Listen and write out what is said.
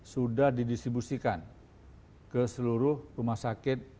sudah didistribusikan ke seluruh rumah sakit